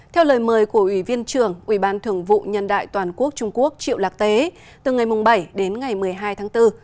theo lời mời của ủy viên trưởng ủy ban thường vụ nhân đại toàn quốc trung quốc triệu lạc tế từ ngày bảy đến ngày một mươi hai tháng bốn